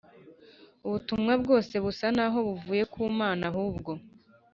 ubutumwa bwose busa naho buvuye ku mana ahubwo